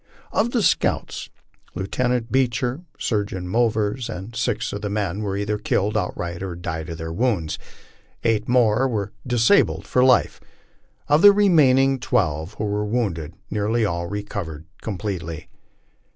Of the scouts, Lieutenant Beecher, Surgeon Movers, and six of the men were either killed outright or died of their wounds ; eight more were disabled for life ; of the remaining twelve who were wounded, nearly all recovered completely.